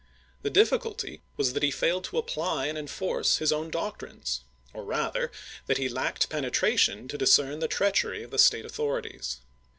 The difficulty was that he failed to apply and enforce his own doc trines, or rather that he lacked penetration to dis cern the treachery of the State authorities.